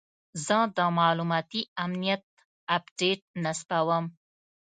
زه د معلوماتي امنیت اپډیټ نصبوم.